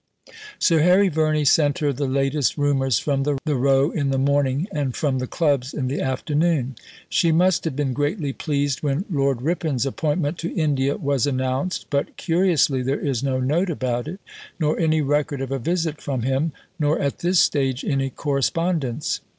Sir Harry Verney sent her the latest rumours from the Row in the morning and from the Clubs in the afternoon. She must have been greatly pleased when Lord Ripon's appointment to India was announced; but curiously there is no note about it, nor any record of a visit from him, nor at this stage any correspondence.